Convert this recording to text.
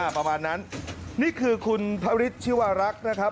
เพราะฉะนั้นนี่คือคุณพระวิทย์ชิวารักษ์นะครับ